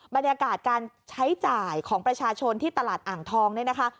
บรรยากาศการใช้จ่ายของประชาชนที่ตลาดอ่างทองเนี่ยนะคะ